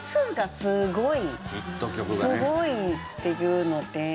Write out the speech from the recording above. すごいっていうので。